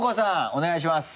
お願いします。